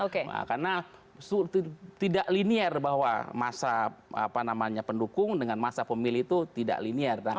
karena tidak linier bahwa masa pendukung dengan masa pemilih itu tidak linier